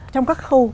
trong các khâu